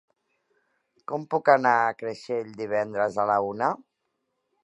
Com puc anar a Creixell divendres a la una?